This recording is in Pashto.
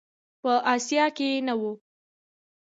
په آسیا کې نه و.